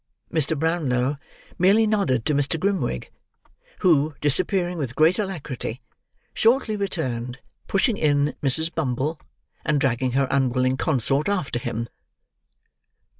Mr. Brownlow merely nodded to Mr. Grimwig, who disappearing with great alacrity, shortly returned, pushing in Mrs. Bumble, and dragging her unwilling consort after him.